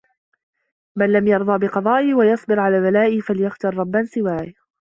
مَنْ لَمْ يَرْضَ بِقَضَائِي وَيَصْبِرْ عَلَى بَلَائِي فَلْيَخْتَرْ رَبًّا سِوَايَ